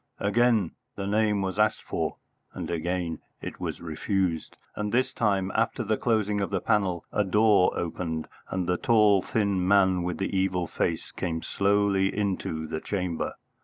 Again the name was asked for, and again it was refused; and this time, after the closing of the panel, a door opened, and the tall thin man with the evil face came slowly into the chamber.